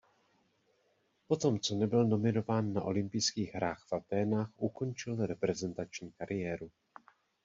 Potom co nebyl nominován na olympijských hrách v Athénách ukončil reprezentační kariéru.